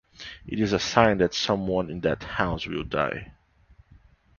It is a sign that someone in that house will die.